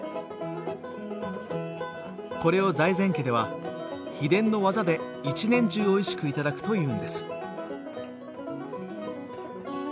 これを財前家では秘伝の技で一年中おいしく頂くというんです。